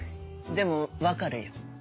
でもわかるよ。